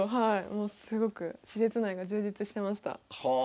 もうすごく施設内が充実してました。